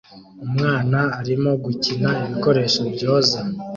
Umwana arimo gukina ibikoresho byoza